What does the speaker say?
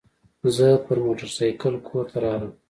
زه پر موترسایکل کور ته رالم.